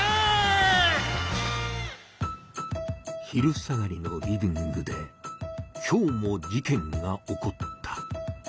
昼下がりのリビングで今日も事件が起こった。